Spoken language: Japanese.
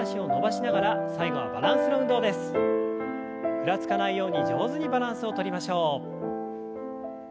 ふらつかないように上手にバランスをとりましょう。